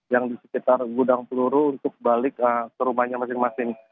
yang di sekitar gudang peluru untuk balik ke rumahnya masing masing